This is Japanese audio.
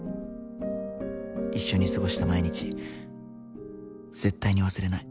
一緒に過ごした毎日絶対に忘れない。